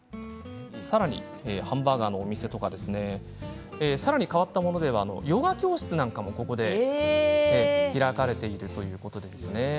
さらにハンバーガーのお店とかさらに変わったものではヨガ教室なんかもここで開かれているということですね。